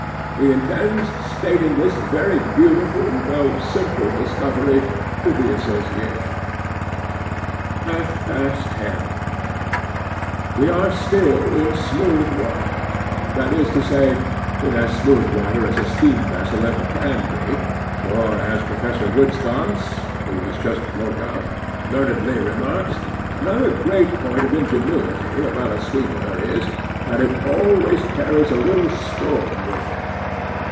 He intends stating this very beautiful, though simple discovery, to the association.' 'Half past ten. 'WE are still in smooth water; that is to say, in as smooth water as a steam vessel ever can be, for, as Professor Woodensconce (who has just woke up) learnedly remarks, another great point of ingenuity about a steamer is, that it always carries a little storm with it.